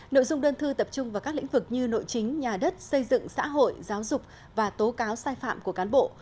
nội dung đơn thư tập trung vào các lĩnh vực như nội chính nhà đất xây dựng xã hội giáo dục và tố cáo sai phạm của cán bộ